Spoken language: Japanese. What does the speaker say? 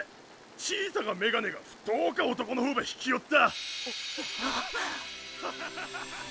小さかメガネが太か男の方ば引きよった！